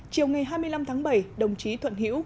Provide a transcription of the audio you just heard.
chiều ngày hai mươi năm tháng bảy đồng chí thuận hữu